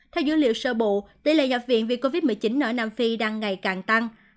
theo dữ liệu sơ bộ tỷ lệ nhập viện vì covid một mươi chín ở nam phi đang ngày càng tăng